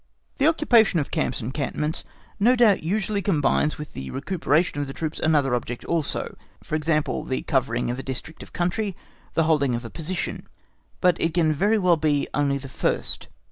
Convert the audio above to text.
The occupation of camps and cantonments no doubt usually combines with the recuperation of the troops another object also, for example, the covering a district of country, the holding a position; but it can very well be only the first.